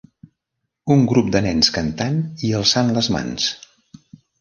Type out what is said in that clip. Un grup de nens cantant i alçant les mans